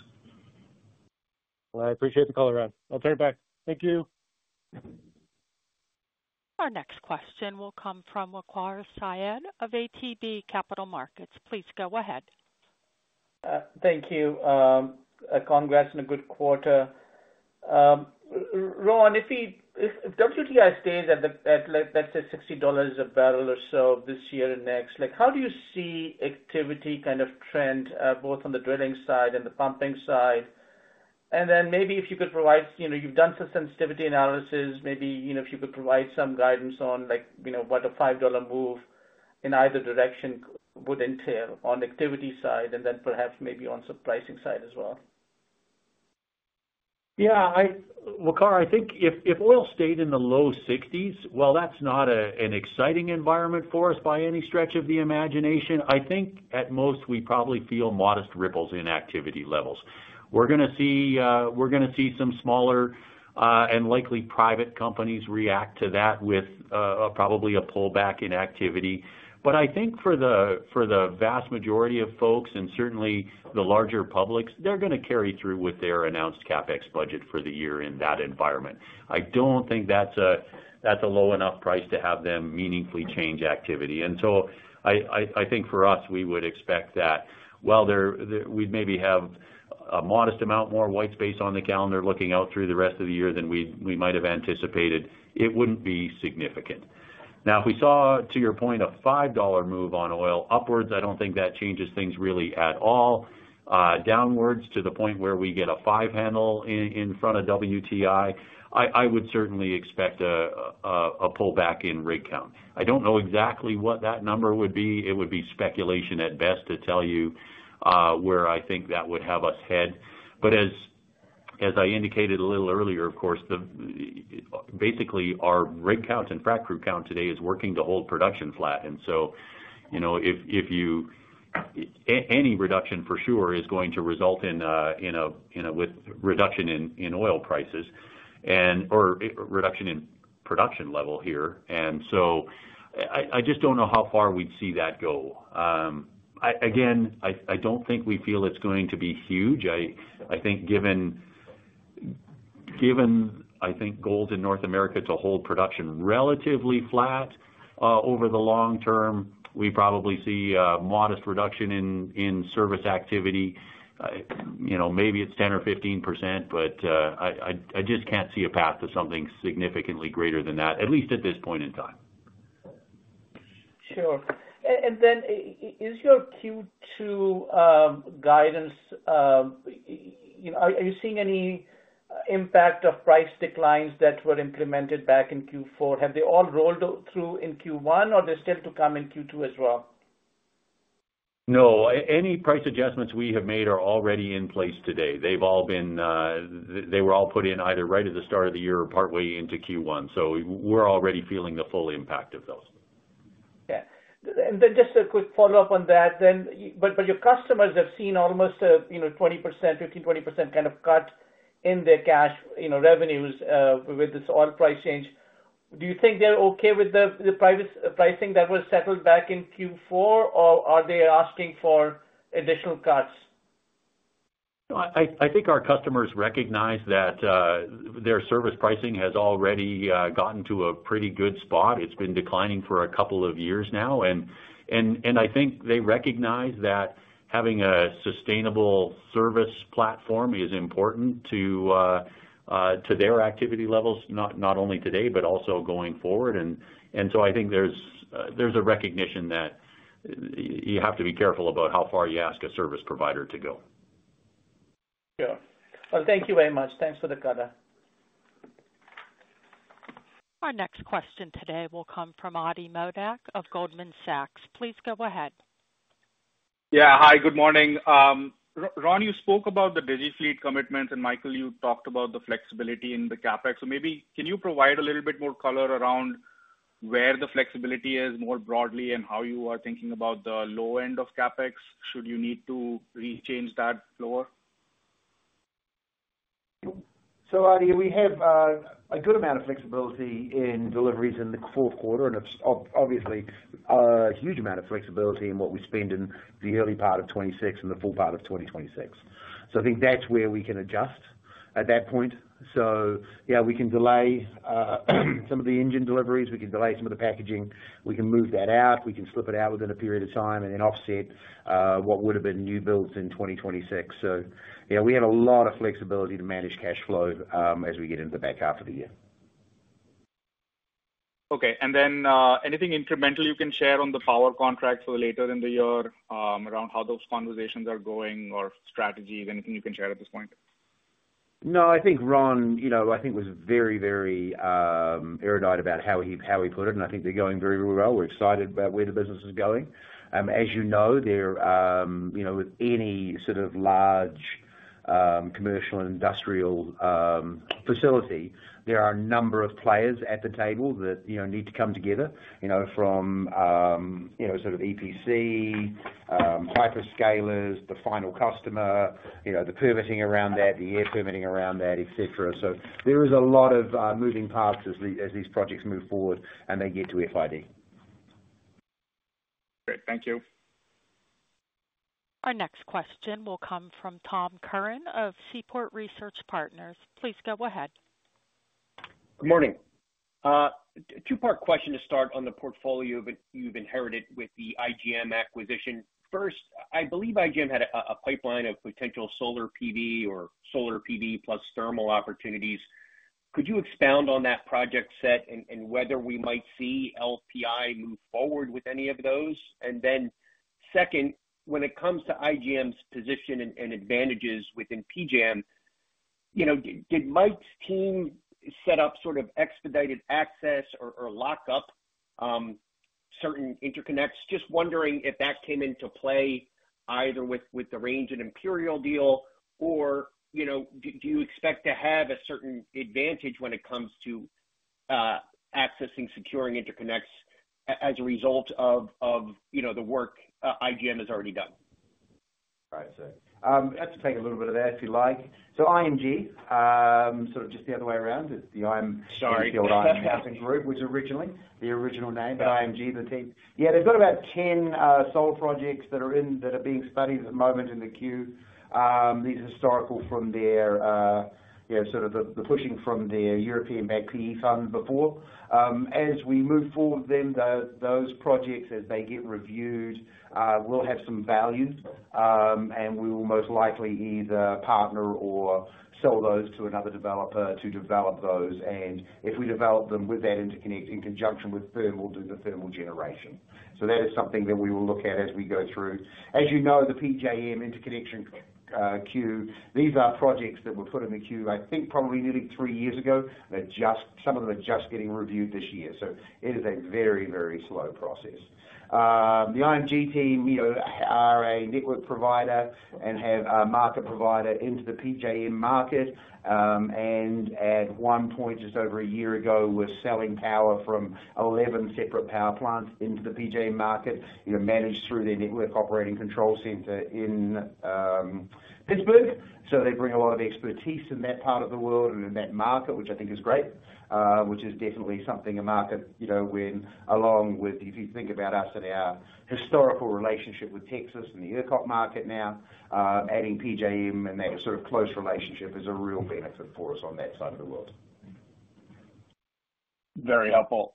I appreciate the call, Ron. I'll turn it back. Thank you. Our next question will come from Waqar Syed of ATB Capital Markets. Please go ahead. Thank you. Congrats on a good quarter. Ron, if WTI stays at, let's say, $60 a barrel or so this year and next, how do you see activity kind of trend both on the drilling side and the pumping side? Maybe if you could provide—you've done some sensitivity analysis—maybe if you could provide some guidance on what a $5 move in either direction would entail on activity side and then perhaps maybe on some pricing side as well. Yeah. Waqar, I think if oil stayed in the low $60s, that's not an exciting environment for us by any stretch of the imagination. I think at most we probably feel modest ripples in activity levels. We're going to see some smaller and likely private companies react to that with probably a pullback in activity. I think for the vast majority of folks and certainly the larger publics, they're going to carry through with their announced CapEx budget for the year in that environment. I don't think that's a low enough price to have them meaningfully change activity. I think for us, we would expect that while we maybe have a modest amount more white space on the calendar looking out through the rest of the year than we might have anticipated, it wouldn't be significant. Now, if we saw, to your point, a $5 move on oil upwards, I don't think that changes things really at all. Downwards to the point where we get a five handle in front of WTI, I would certainly expect a pullback in rig count. I don't know exactly what that number would be. It would be speculation at best to tell you where I think that would have us head. As I indicated a little earlier, of course, basically our rig count and frac crew count today is working to hold production flat. If you—any reduction for sure is going to result in a reduction in oil prices or reduction in production level here. I just don't know how far we'd see that go. Again, I don't think we feel it's going to be huge. I think given I think goals in North America to hold production relatively flat over the long term, we probably see a modest reduction in service activity. Maybe it's 10% or 15%, but I just can't see a path to something significantly greater than that, at least at this point in time. Sure. Is your Q2 guidance—are you seeing any impact of price declines that were implemented back in Q4? Have they all rolled through in Q1, or are they still to come in Q2 as well? No. Any price adjustments we have made are already in place today. They have all been—they were all put in either right at the start of the year or partway into Q1. We are already feeling the full impact of those. Yeah. And then just a quick follow-up on that. Your customers have seen almost a 15%-20% kind of cut in their cash revenues with this oil price change. Do you think they're okay with the pricing that was settled back in Q4, or are they asking for additional cuts? I think our customers recognize that their service pricing has already gotten to a pretty good spot. It's been declining for a couple of years now. I think they recognize that having a sustainable service platform is important to their activity levels, not only today, but also going forward. I think there's a recognition that you have to be careful about how far you ask a service provider to go. Sure. Thank you very much. Thanks for the cutter. Our next question today will come from Ati Modak of Goldman Sachs. Please go ahead. Yeah. Hi, good morning. Ron, you spoke about the digiFleet commitments, and Michael, you talked about the flexibility in the CapEx. Maybe can you provide a little bit more color around where the flexibility is more broadly and how you are thinking about the low end of CapEx should you need to change that lower? Ati, we have a good amount of flexibility in deliveries in the fourth quarter and obviously a huge amount of flexibility in what we spend in the early part of 2026 and the full part of 2026. I think that's where we can adjust at that point. Yeah, we can delay some of the engine deliveries. We can delay some of the packaging. We can move that out. We can slip it out within a period of time and then offset what would have been new builds in 2026. Yeah, we have a lot of flexibility to manage cash flow as we get into the back half of the year. Okay. Anything incremental you can share on the power contracts for later in the year around how those conversations are going or strategies? Anything you can share at this point? No, I think Ron, I think, was very, very irritated about how he put it, and I think they're going very, very well. We're excited about where the business is going. As you know, with any sort of large commercial industrial facility, there are a number of players at the table that need to come together from sort of EPC, hyperscalers, the final customer, the permitting around that, the air permitting around that, etc. There is a lot of moving parts as these projects move forward and they get to FID. Great. Thank you. Our next question will come from Tom Curran of Seaport Research Partners. Please go ahead. Good morning. Two-part question to start on the portfolio you've inherited with the IMG acquisition. First, I believe IMG had a pipeline of potential solar PV or solar PV plus thermal opportunities. Could you expound on that project set and whether we might see LPI move forward with any of those? Then, when it comes to IMG's position and advantages within PJM, did Mike's team set up sort of expedited access or lock up certain interconnects? Just wondering if that came into play either with the Range and Imperial deal, or do you expect to have a certain advantage when it comes to accessing securing interconnects as a result of the work IMG has already done? Right. I have to take a little bit of that if you like. IMG, sort of just the other way around, is the International Marketing Group was originally the original name. IMG, the team, yeah, they've got about 10 sole projects that are being studied at the moment in the queue. These are historical from their sort of the pushing from the European-backed PE fund before. As we move forward with them, those projects, as they get reviewed, will have some value, and we will most likely either partner or sell those to another developer to develop those. If we develop them with that interconnect in conjunction with them, we'll do the thermal generation. That is something that we will look at as we go through. As you know, the PJM Interconnection queue, these are projects that were put in the queue, I think, probably nearly three years ago. Some of them are just getting reviewed this year. It is a very, very slow process. The IMG team are a network provider and have a market provider into the PJM market. At one point, just over a year ago, they were selling power from 11 separate power plants into the PJM market managed through their network operating control center in Pittsburgh. They bring a lot of expertise in that part of the world and in that market, which I think is great, which is definitely something a market when, along with, if you think about us and our historical relationship with Texas and the ERCOT market now, adding PJM and that sort of close relationship is a real benefit for us on that side of the world. Very helpful.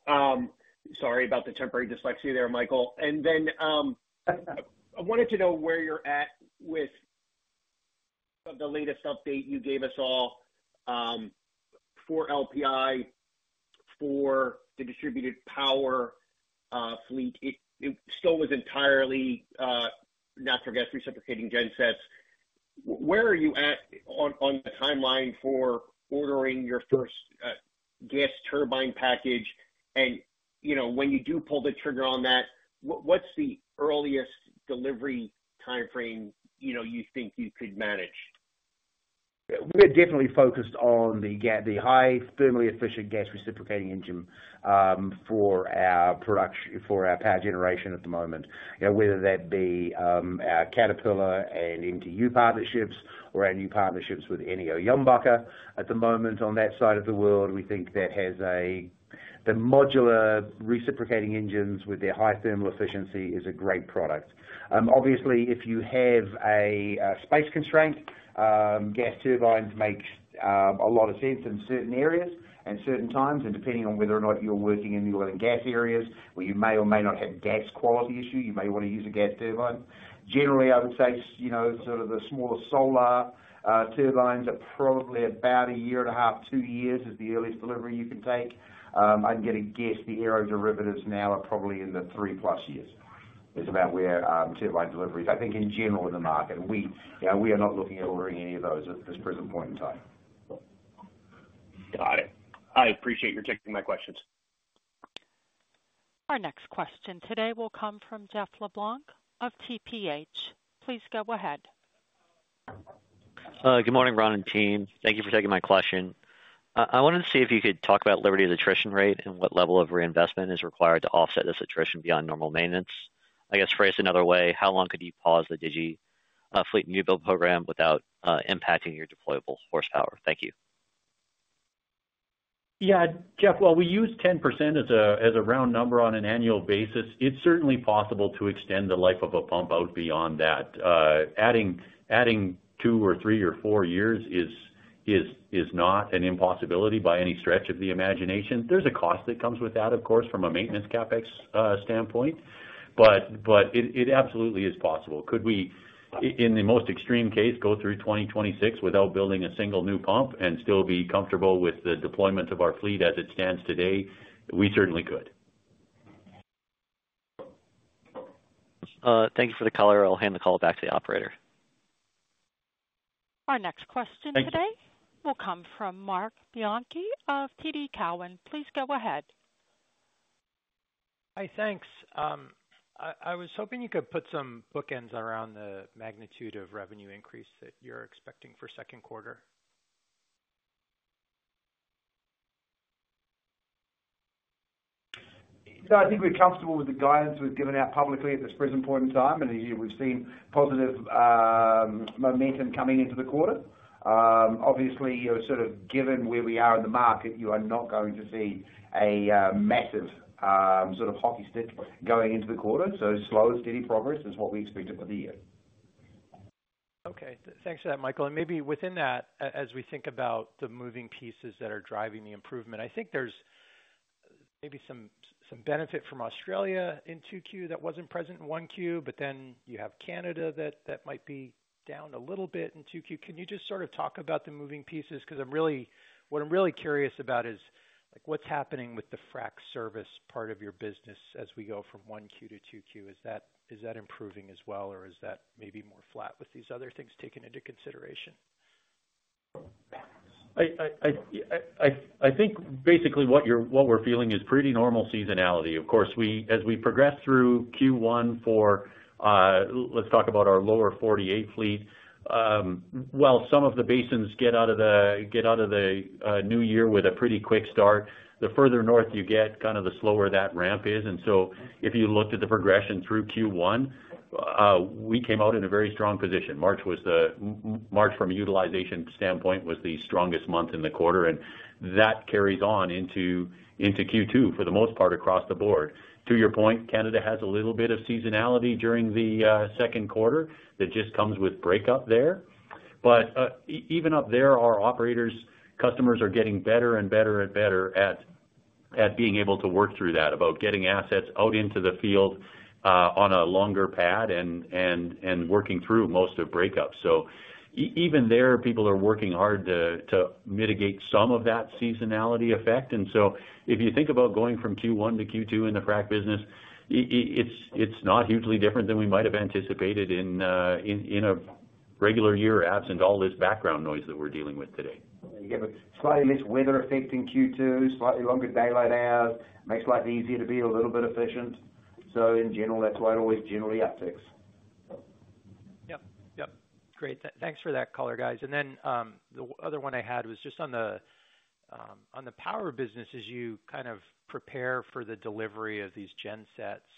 Sorry about the temporary dyslexia there, Michael. I wanted to know where you're at with the latest update you gave us all for LPI for the distributed power fleet. It still was entirely natural gas reciprocating gensets. Where are you at on the timeline for ordering your first gas turbine package? When you do pull the trigger on that, what's the earliest delivery timeframe you think you could manage? We're definitely focused on the high thermally efficient gas reciprocating engine for our power generation at the moment, whether that be our Caterpillar and MTU partnerships or our new partnerships with INNIO at the moment on that side of the world. We think that has the modular reciprocating engines with their high thermal efficiency is a great product. Obviously, if you have a space constraint, gas turbines make a lot of sense in certain areas and certain times. Depending on whether or not you're working in the oil and gas areas where you may or may not have gas quality issues, you may want to use a gas turbine. Generally, I would say sort of the smaller Solar turbines are probably about a year and a half, two years is the earliest delivery you can take. I'd get a guess the aero derivatives now are probably in the three plus years. It's about where turbine delivery is, I think, in general in the market. We are not looking at ordering any of those at this present point in time. Got it. I appreciate your taking my questions. Our next question today will come from Jeff LeBlanc of TPH. Please go ahead. Good morning, Ron and team. Thank you for taking my question. I wanted to see if you could talk about Liberty attrition rate and what level of reinvestment is required to offset this attrition beyond normal maintenance. I guess phrased another way, how long could you pause the digiFleet new build program without impacting your deployable horsepower? Thank you. Yeah. Jeff, while we use 10% as a round number on an annual basis, it's certainly possible to extend the life of a pump out beyond that. Adding two or three or four years is not an impossibility by any stretch of the imagination. There's a cost that comes with that, of course, from a maintenance CapEx standpoint, but it absolutely is possible. Could we, in the most extreme case, go through 2026 without building a single new pump and still be comfortable with the deployment of our fleet as it stands today? We certainly could. Thank you for the color. I'll hand the call back to the operator. Our next question today will come from Mark Bianchi of TD Cowen. Please go ahead. Hi, thanks. I was hoping you could put some bookends around the magnitude of revenue increase that you're expecting for second quarter. I think we're comfortable with the guidance we've given out publicly at this present point in time, and we've seen positive momentum coming into the quarter. Obviously, sort of given where we are in the market, you are not going to see a massive sort of hockey stick going into the quarter. Slow, steady progress is what we expected for the year. Okay. Thanks for that, Michael. Maybe within that, as we think about the moving pieces that are driving the improvement, I think there's maybe some benefit from Australia in 2Q that was not present in 1Q, but then you have Canada that might be down a little bit in 2Q. Can you just sort of talk about the moving pieces? What I'm really curious about is what's happening with the frac service part of your business as we go from 1Q- 2Q. Is that improving as well, or is that maybe more flat with these other things taken into consideration? I think basically what we're feeling is pretty normal seasonality. Of course, as we progress through Q1 for, let's talk about our Lower 48 fleet, while some of the basins get out of the new year with a pretty quick start, the further north you get, kind of the slower that ramp is. If you looked at the progression through Q1, we came out in a very strong position. March from a utilization standpoint was the strongest month in the quarter, and that carries on into Q2 for the most part across the board. To your point, Canada has a little bit of seasonality during the second quarter that just comes with breakup there. Even up there, our operators, customers are getting better and better and better at being able to work through that, about getting assets out into the field on a longer pad and working through most of breakup. Even there, people are working hard to mitigate some of that seasonality effect. If you think about going from Q1-Q2 in the frac business, it is not hugely different than we might have anticipated in a regular year absent all this background noise that we are dealing with today. Slightly less weather affecting Q2, slightly longer daylight hours, makes life easier to be a little bit efficient. In general, that is why it always generally uptakes. Yep. Yep. Great. Thanks for that color, guys. The other one I had was just on the power business as you kind of prepare for the delivery of these gensets.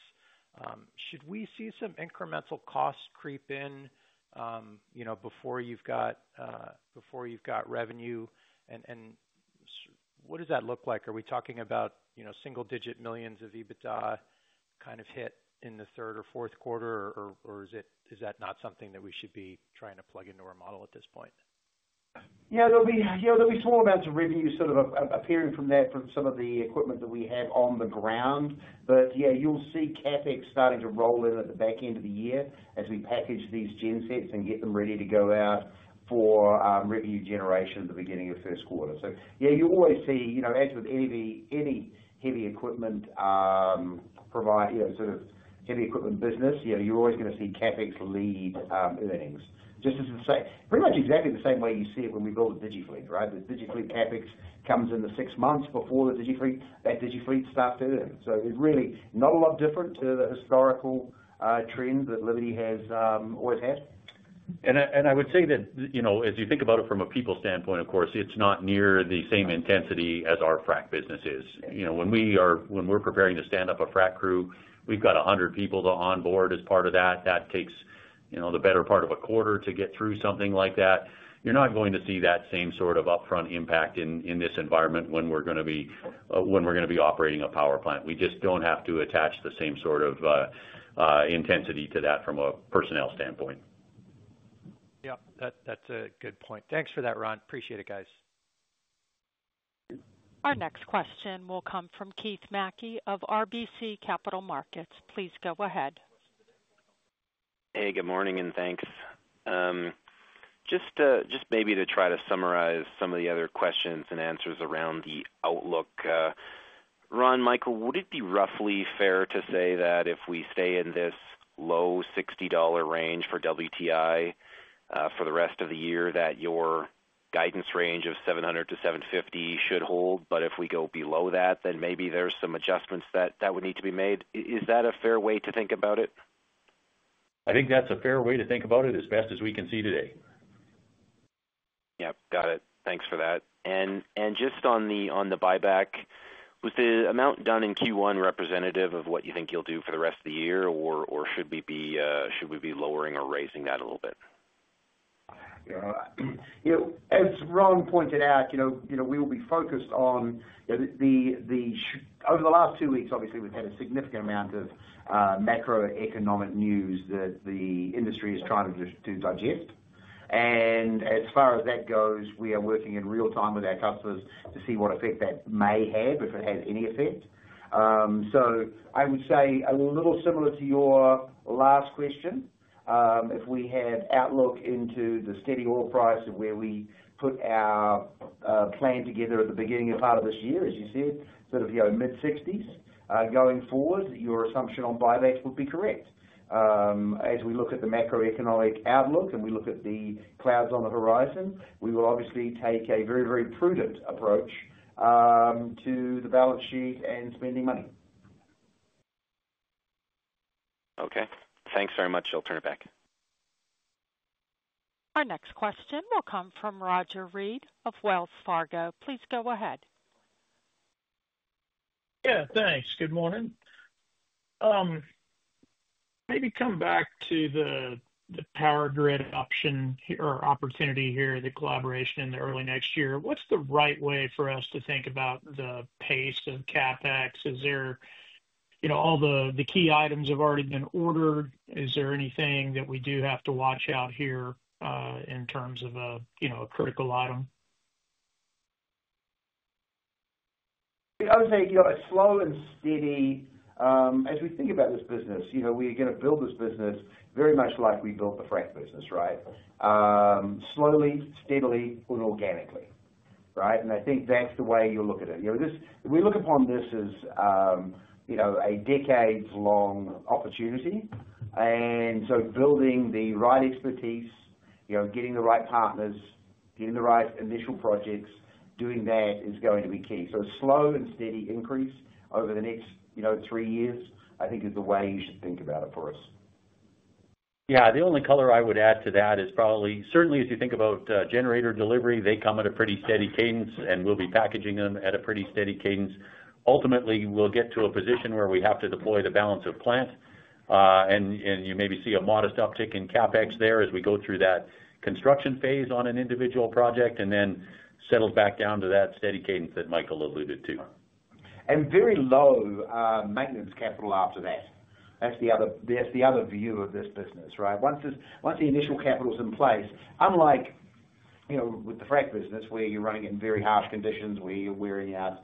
Should we see some incremental cost creep in before you've got revenue? What does that look like? Are we talking about single-digit millions of EBITDA kind of hit in the third or fourth quarter, or is that not something that we should be trying to plug into our model at this point? Yeah, there'll be small amounts of revenue sort of appearing from that from some of the equipment that we have on the ground. Yeah, you'll see CapEx starting to roll in at the back end of the year as we package these gensets and get them ready to go out for revenue generation at the beginning of first quarter. Yeah, you always see, as with any heavy equipment provider, sort of heavy equipment business, you're always going to see CapEx lead earnings. Just as I say, pretty much exactly the same way you see it when we build a digiFleet, right? The digiFleet CapEx comes in the six months before the digiFleet, that digiFleet starts to earn. It's really not a lot different to the historical trend that Liberty has always had. I would say that as you think about it from a people standpoint, of course, it's not near the same intensity as our frac business is. When we're preparing to stand up a frac crew, we've got 100 people to onboard as part of that. That takes the better part of a quarter to get through something like that. You're not going to see that same sort of upfront impact in this environment when we're going to be operating a power plant. We just don't have to attach the same sort of intensity to that from a personnel standpoint. Yep. That's a good point. Thanks for that, Ron. Appreciate it, guys. Our next question will come from Keith MacKey of RBC Capital Markets. Please go ahead. Hey, good morning and thanks. Just maybe to try to summarize some of the other questions and answers around the outlook. Ron, Michael, would it be roughly fair to say that if we stay in this low $60 range for WTI for the rest of the year, that your guidance range of 700-750 should hold? If we go below that, then maybe there's some adjustments that would need to be made. Is that a fair way to think about it? I think that's a fair way to think about it as fast as we can see today. Got it. Thanks for that. Just on the buyback, was the amount done in Q1 representative of what you think you'll do for the rest of the year, or should we be lowering or raising that a little bit? As Ron pointed out, we will be focused on the over the last two weeks, obviously, we've had a significant amount of macroeconomic news that the industry is trying to digest. As far as that goes, we are working in real time with our customers to see what effect that may have, if it has any effect. I would say a little similar to your last question, if we had outlook into the steady oil price of where we put our plan together at the beginning of part of this year, as you said, sort of mid-60s, going forward, your assumption on buyback would be correct. As we look at the macroeconomic outlook and we look at the clouds on the horizon, we will obviously take a very, very prudent approach to the balance sheet and spending money. Okay. Thanks very much. I'll turn it back. Our next question will come from Roger Read of Wells Fargo. Please go ahead. Yeah. Thanks. Good morning. Maybe come back to the power grid option or opportunity here, the collaboration in the early next year. What's the right way for us to think about the pace of CapEx? Is there all the key items have already been ordered? Is there anything that we do have to watch out here in terms of a critical item? I would say it's slow and steady. As we think about this business, we are going to build this business very much like we built the frac business, right? Slowly, steadily, but organically, right? I think that's the way you look at it. We look upon this as a decades-long opportunity. Building the right expertise, getting the right partners, getting the right initial projects, doing that is going to be key. Slow and steady increase over the next three years, I think, is the way you should think about it for us. Yeah. The only color I would add to that is probably certainly as you think about generator delivery, they come at a pretty steady cadence, and we'll be packaging them at a pretty steady cadence. Ultimately, we'll get to a position where we have to deploy the balance of plant. You maybe see a modest uptick in CapEx there as we go through that construction phase on an individual project and then settle back down to that steady cadence that Michael alluded to. Very low maintenance capital after that. That is the other view of this business, right? Once the initial capital is in place, unlike with the frac business where you are running in very harsh conditions, where you are wearing out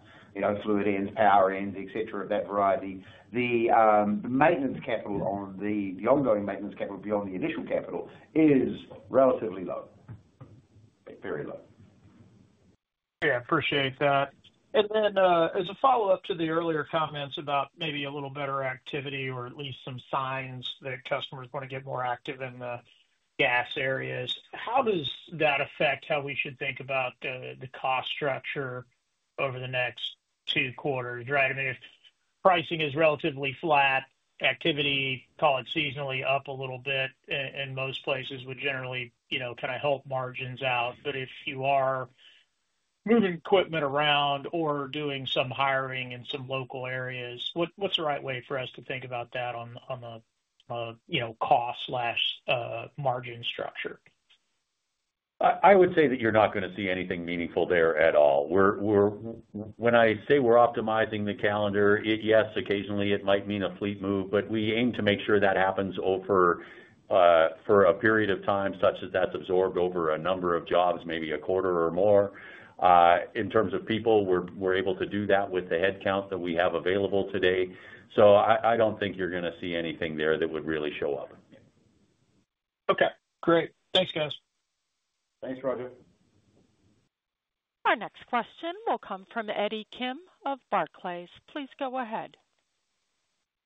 fluid ends, power ends, etc., of that variety, the ongoing maintenance capital beyond the initial capital is relatively low, very low. Yeah. I appreciate that. As a follow-up to the earlier comments about maybe a little better activity or at least some signs that customers want to get more active in the gas areas, how does that affect how we should think about the cost structure over the next two quarters, right? I mean, if pricing is relatively flat, activity, call it seasonally, up a little bit in most places would generally kind of help margins out. If you are moving equipment around or doing some hiring in some local areas, what's the right way for us to think about that on the cost/margin structure? I would say that you're not going to see anything meaningful there at all. When I say we're optimizing the calendar, yes, occasionally it might mean a fleet move, but we aim to make sure that happens for a period of time such that that's absorbed over a number of jobs, maybe a quarter or more. In terms of people, we're able to do that with the headcount that we have available today. I don't think you're going to see anything there that would really show up. Okay. Great. Thanks, guys. Thanks, Roger. Our next question will come from Eddie Kim of Barclays. Please go ahead.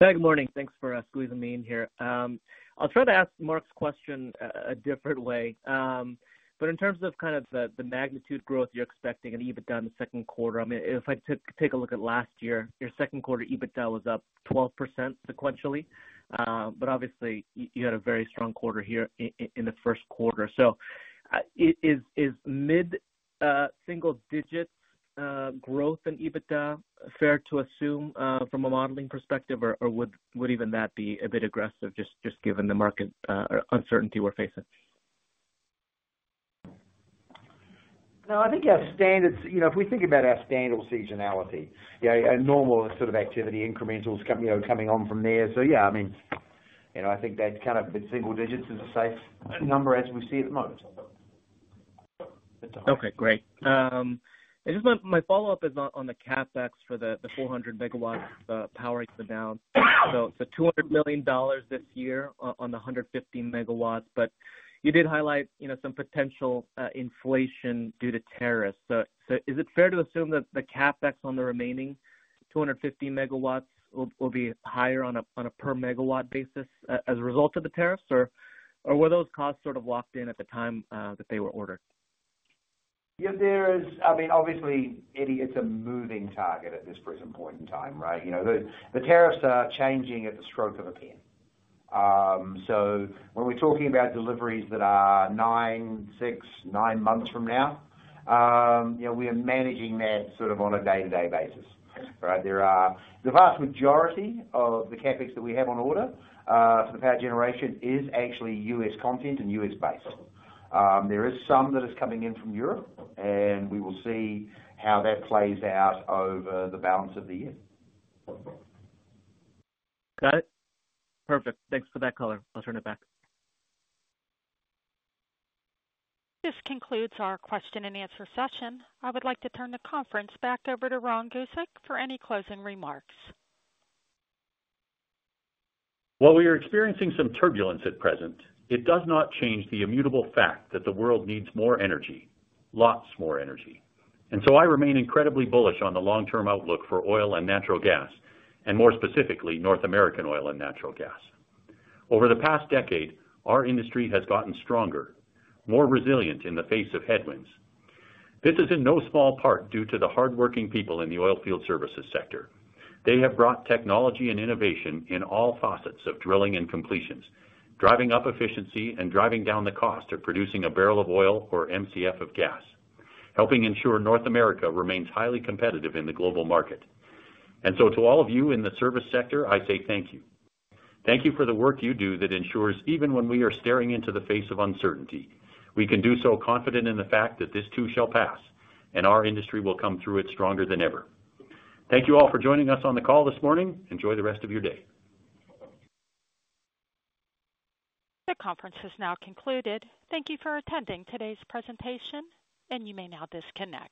Hi, good morning. Thanks for squeezing me in here. I'll try to ask Marc's question a different way. In terms of kind of the magnitude growth you're expecting in EBITDA in the second quarter, I mean, if I take a look at last year, your second quarter EBITDA was up 12% sequentially. Obviously, you had a very strong quarter here in the first quarter. Is mid-single-digit growth in EBITDA fair to assume from a modeling perspective, or would even that be a bit aggressive just given the market uncertainty we're facing? No, I think if we think about our standard seasonality, normal sort of activity incrementals coming on from there. Yeah, I mean, I think that kind of mid-single digits is a safe number as we see it most. Okay. Great. Just my follow-up is on the CapEx for the 400 MW power down. It is $200 million this year on the 150 MW, but you did highlight some potential inflation due to tariffs. Is it fair to assume that the CapEx on the remaining 250 MW will be higher on a per MW basis as a result of the tariffs, or were those costs sort of locked in at the time that they were ordered? Yeah, there is. I mean, obviously, Eddie, it's a moving target at this present point in time, right? The tariffs are changing at the stroke of a pen. When we're talking about deliveries that are nine, six, nine months from now, we are managing that sort of on a day-to-day basis, right? The vast majority of the CapEx that we have on order for the power generation is actually U.S. content and US-based. There is some that is coming in from Europe, and we will see how that plays out over the balance of the year. Got it. Perfect. Thanks for that color. I'll turn it back. This concludes our question and answer session. I would like to turn the conference back over to Ron Gusek for any closing remarks. While we are experiencing some turbulence at present, it does not change the immutable fact that the world needs more energy, lots more energy. I remain incredibly bullish on the long-term outlook for oil and natural gas, and more specifically, North American oil and natural gas. Over the past decade, our industry has gotten stronger, more resilient in the face of headwinds. This is in no small part due to the hardworking people in the oil field services sector. They have brought technology and innovation in all facets of drilling and completions, driving up efficiency and driving down the cost of producing a barrel of oil or MCF of gas, helping ensure North America remains highly competitive in the global market. To all of you in the service sector, I say thank you. Thank you for the work you do that ensures even when we are staring into the face of uncertainty, we can do so confident in the fact that this too shall pass and our industry will come through it stronger than ever. Thank you all for joining us on the call this morning. Enjoy the rest of your day. The conference has now concluded. Thank you for attending today's presentation, and you may now disconnect.